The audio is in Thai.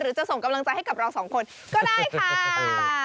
จะส่งกำลังใจให้กับเราสองคนก็ได้ค่ะ